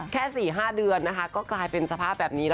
แค่๔๕เดือนก็กลายเป็นสภาพแบบนี้